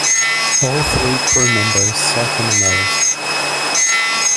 All three crew members sat in the nose.